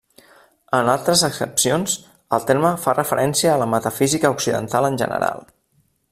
En altres accepcions, el terme fa referència a la metafísica occidental en general.